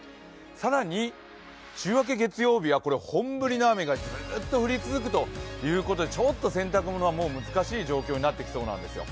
更に、週明け月曜日は本降りの雨がずっと降り続くということでちょっと洗濯物は難しい状況になってきそうなんですよ。